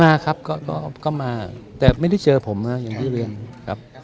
มาครับก็มาแต่ไม่ได้เจอผมนะอย่างที่เรียนครับ